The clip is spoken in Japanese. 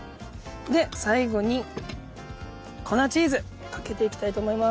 で最後に粉チーズかけていきたいと思います。